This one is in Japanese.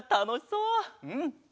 うん！